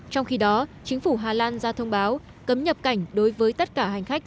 trong khi đó chính phủ hà lan ra thông báo cấm nhập cảnh đối với tất cả hành khách